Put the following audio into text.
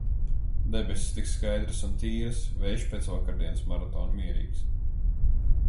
Debesis tik skaidras un tīras, vējš pēc vakardienas maratona mierīgs.